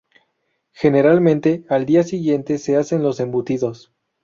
Generalmente al día siguiente se hacen los embutidos.